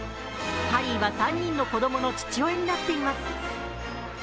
ハリーは３人の子供の父親になっています。